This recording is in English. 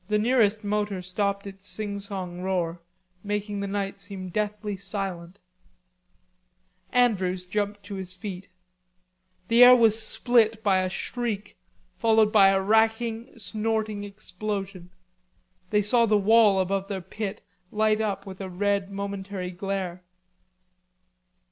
The nearest motor stopped its singsong roar, making the night seem deathly silent. Andrews jumped to his feet. The air was split by a shriek followed by a racking snorting explosion. They saw the wall above their pit light up with a red momentary glare.